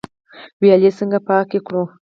ویالې څنګه پاکې کړو؟